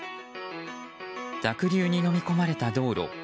濁流にのみ込まれた道路。